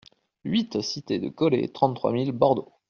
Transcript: huit cité de Caulet, trente-trois mille Bordeaux